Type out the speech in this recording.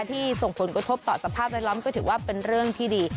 ส่งผลกระทบต่อสภาพแวดล้อมก็ถือว่าเป็นเรื่องที่ดี